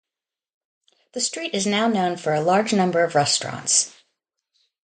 The street is now known for a large number of restaurants.